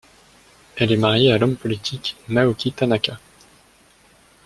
Elle est mariée à l'homme politique Naoki Tanaka.